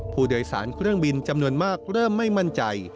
ผู้โดยสารเครื่องบินจำนวนมากเริ่มไม่มั่นใจ